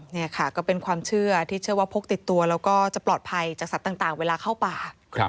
นี่ค่ะก็เป็นความเชื่อที่เชื่อว่าพกติดตัวแล้วก็จะปลอดภัยจากสัตว์ต่างเวลาเข้าป่า